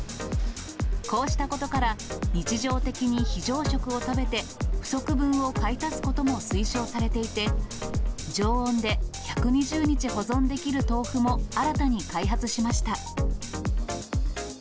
こうしたことから、日常的に非常食を食べて、不足分を買い足すことも推奨されていて、常温で１２０日保存できる豆腐も、新たに開発しました。